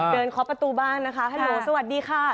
เดินคอปประตูบ้านนะคะฮัลโหลสวัสดีค่ะ